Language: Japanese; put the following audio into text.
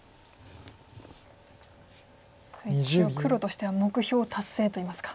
黒としては目標達成といいますか。